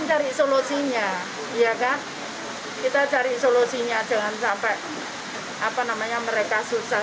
kita cari solusinya jangan sampai mereka susah